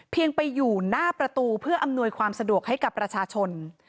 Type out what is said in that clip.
ไปอยู่หน้าประตูเพื่ออำนวยความสะดวกให้กับประชาชน